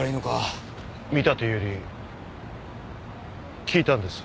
見たというより聞いたんです。